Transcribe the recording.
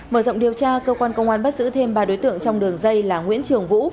mở rộng điều tra cơ quan công an bắt giữ thêm ba đối tượng trong đường dây là nguyễn trường vũ